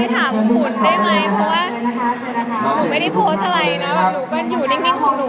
หนูไม่ได้โพสต์อะไรนะหนูก็อยู่ในจริงของหนู